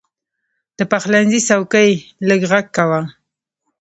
د پخلنځي څوکۍ لږ غږ کاوه.